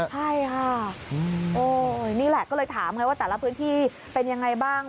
ใช่ค่ะโอ้นี่แหละก็เลยถามไงว่าแต่ละพื้นที่เป็นยังไงบ้าง